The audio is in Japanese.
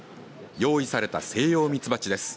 用意されたセイヨウミツバチです。